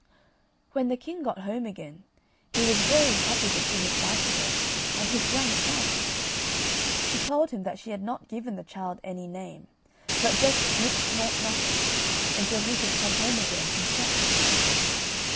When the king got home again, he was very happy to see his wife again, and his young son. She told him that she had not given the child any name, but just Nix Nought Nothing, until he should come home again himself.